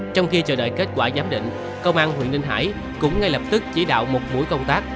trong khi chờ đợi kết quả giám định công an huyện ninh hải cũng ngay lập tức chỉ đạo một buổi công tác